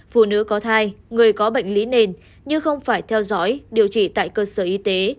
phụ nữ có thai người có bệnh lý nền như không phải theo dõi điều trị tại cơ sở y tế